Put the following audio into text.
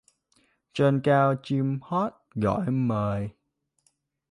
Trên cao chim hót gọi mời